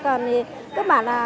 còn thì cơ bản là